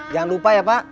jangan lupa ya pak